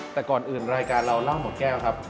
แต่ก่อนอื่นรายการเราเล่าหมดแก้วครับ